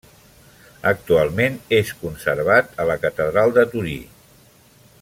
Actualment és conservat a la Catedral de Torí.